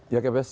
ya keb ya